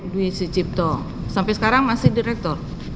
dwi sucipto sampai sekarang masih direktur